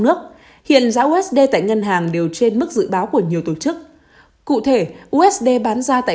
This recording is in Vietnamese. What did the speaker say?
nước hiện giá usd tại ngân hàng đều trên mức dự báo của nhiều tổ chức cụ thể usd bán ra tại